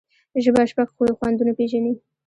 ژبه شپږ خوندونه پېژني.